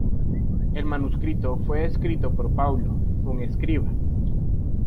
El manuscrito fue escrito por Paulo, un escriba.